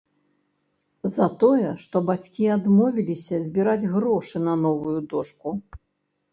За тое, што бацькі адмовіліся збіраць грошы на новую дошку.